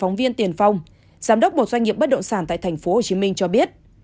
giám đốc một doanh nghiệp bất động sản tại tp hcm cho biết